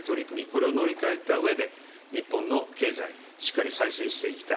これを乗り越えた上で日本の経済しっかり再生して行きたい。